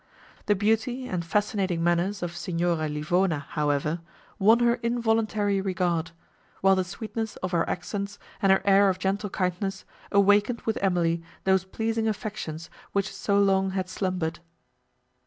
The beauty and fascinating manners of Signora Livona, however, won her involuntary regard; while the sweetness of her accents and her air of gentle kindness awakened with Emily those pleasing affections, which so long had slumbered.